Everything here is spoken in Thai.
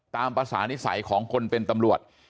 ตามภาษานิสัยของคนเป็นตำรวจ